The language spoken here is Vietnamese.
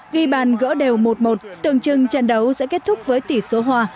ghi bàn gỡ đều một một tưởng chừng trận đấu sẽ kết thúc với tỷ số hòa